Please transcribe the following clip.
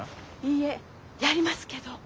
いいえやりますけど。